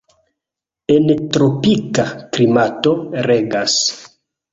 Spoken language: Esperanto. En tropika klimato regas.